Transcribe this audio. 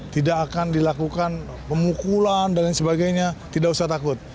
tidak akan dilakukan pemukulan dan lain sebagainya tidak usah takut